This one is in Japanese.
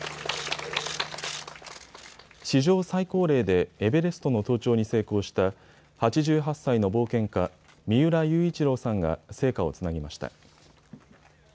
史上最高齢でエベレストの登頂に成功した８８歳の冒険家、三浦雄一郎さんが聖火をつなぎました。